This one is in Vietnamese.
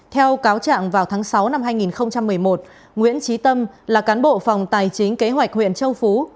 theo cáo trạng vào tháng sáu năm hai nghìn một mươi một nguyễn trí tâm là cán bộ phòng tài chính kế hoạch huyện châu phú